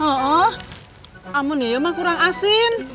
oh amunia mah kurang asin